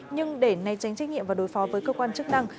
nhưng để nay tránh trách nhiệm và đối phó với cơ quan chức năng